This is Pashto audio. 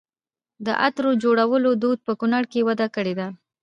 د عطرو جوړولو دود په کونړ کې وده کړې ده.